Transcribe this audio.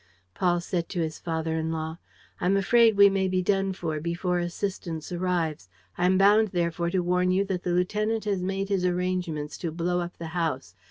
Paul said to his father in law: "I'm afraid we may be done for before assistance arrives. I am bound therefore to warn you that the lieutenant has made his arrangements to blow up the house.